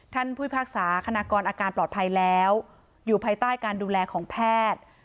ผู้พิพากษาคณะกรอาการปลอดภัยแล้วอยู่ภายใต้การดูแลของแพทย์